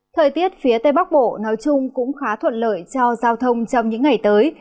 thời tiết phía tây bắc bộ nói chung cũng khá thuận lợi cho giao thông trong những ngày tới